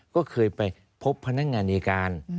ก็เคยไปพบพนักงานอายการ